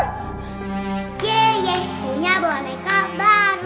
yeay punya boneka baru